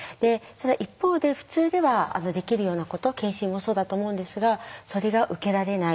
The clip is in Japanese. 一方で普通にはできるようなこと検診もそうだと思うんですがそれが受けられない。